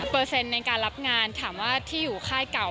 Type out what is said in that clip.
เปอร์เซนต์ในการรับงานถามว่าที่อยู่ไข้เก่า